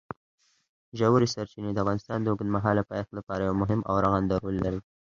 ژورې سرچینې د افغانستان د اوږدمهاله پایښت لپاره یو مهم او رغنده رول لري.